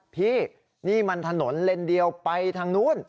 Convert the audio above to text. พี่นี่มันถนนเลนเดียวไปทางนู้น